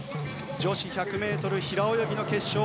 女子１００ｍ平泳ぎの決勝。